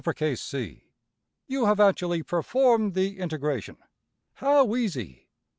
\] You have actually performed the integration. How easy!